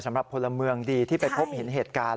สำหรับพลเมืองดีที่ไปพบเห็นเหตุการณ์